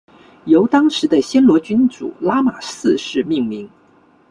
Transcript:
由当时的暹罗君主拉玛四世命名。